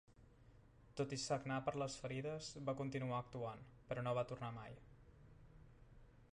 Tot i sagnar per les ferides, va continuar actuant, però no va tornar mai.